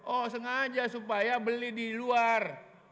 oh sengaja supaya beli di luar